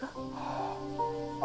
ああ。